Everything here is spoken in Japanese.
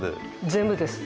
全部です。